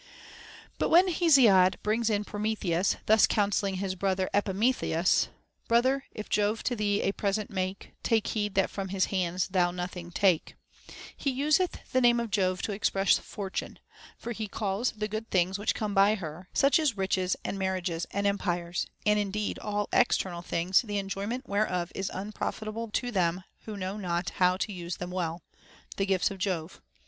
§ But when Hesiod brings in Prometheus thus counselling his brother Epimetheus, * 11. VII. 329. t II. HI. 276. } II. I. 3 and 5. § From Euripides. TO HEAR POEMS. 63 Brother, if Jove to thee a present make, Take heed that from his hands thou nothing take,* he useth the name of Jove to express Fortune ; for he calls the good things which come by her (such as riches, and marriages, and empires, and indeed all external things the enjoyment whereof is unprofitable to them who know not how to use them well) the gifts of Jove.